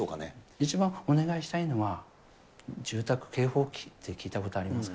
一番お願いしたいのは、住宅警報器って聞いたことありますか？